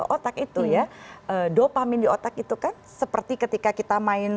otak itu ya dopamin di otak itu kan seperti ketika kita main